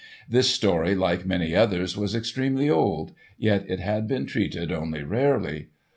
This story like many others was extremely old, yet it had been treated only rarely.